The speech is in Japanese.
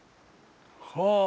はあ。